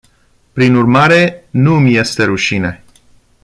Prin urmare, nu îmi este rușine.